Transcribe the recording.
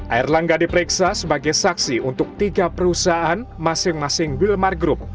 air langga diperiksa sebagai saksi untuk tiga perusahaan masing masing wilmar group